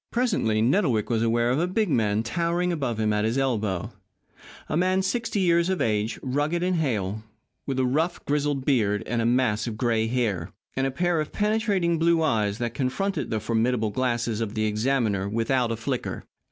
Presently Nettlewick was aware of a big man towering above him at his elbow a man sixty years of age, rugged and hale, with a rough, grizzled beard, a mass of gray hair, and a pair of penetrating blue eyes that confronted the formidable glasses of the examiner without a flicker.